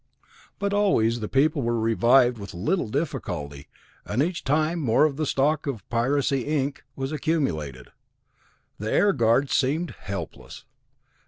But always the people were revived with little difficulty, and each time more of the stock of "Piracy, Inc." was accumulated. The Air Guard seemed helpless.